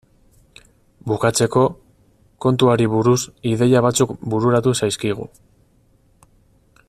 Bukatzeko, kontuari buruz ideia batzuk bururatu zaizkigu.